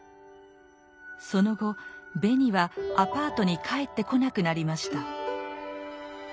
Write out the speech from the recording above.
その後ベニはアパートに帰ってこなくなりました。